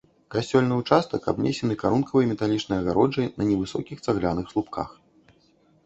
Касцёльны ўчастак абнесены карункавай металічнай агароджай на невысокіх цагляных слупках.